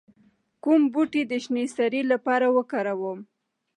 کوم بوټي د شینې سرې لپاره وکاروم؟